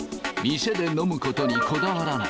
店で飲むことにこだわらない。